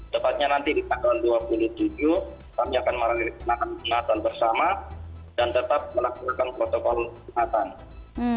tepatnya nanti di tahun dua puluh tujuh kami akan merayakan natal bersama dan tetap melakukan protokol natal